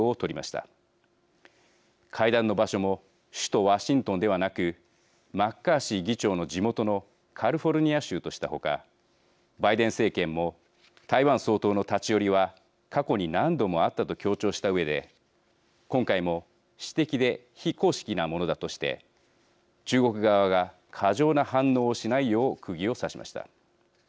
会談の場所も首都ワシントンではなくマッカーシー議長の地元のカリフォルニア州としたほかバイデン政権も台湾総統の立ち寄りは過去に何度もあったと強調したうえで今回も私的で非公式なものだとして中国側が過剰な反応をしないようくぎを刺しました。